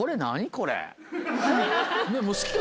これ。